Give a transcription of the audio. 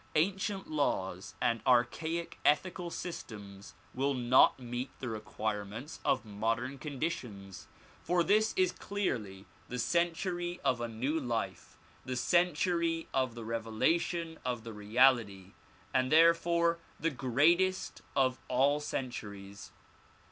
Ancient laws and archaic ethical systems will not meet the requirements of modern conditions, for this is clearly the century of a new life, the century of the revelation of the reality and therefore the greatest of all centuries.